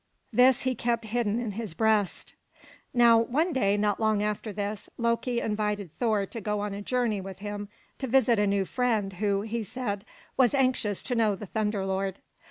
This he kept hidden in his breast. Now, one day not long after this, Loki invited Thor to go on a journey with him to visit a new friend who, he said, was anxious to know the Thunder Lord.